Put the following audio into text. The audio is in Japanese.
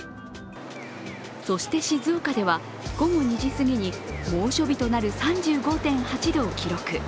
そして、静岡では午後２時すぎに猛暑日となる３５．８度を記録。